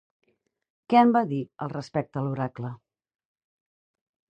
Què en va dir al respecte l'oracle?